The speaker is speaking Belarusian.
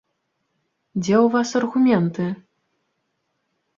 Дзе ў вас аргументы?